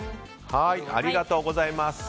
ありがとうございます。